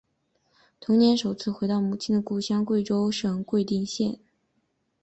同年首次回到母亲的故乡贵州省贵定县。